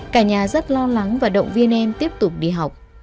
cả nhà rất lo lắng và động viên em tiếp tục đi học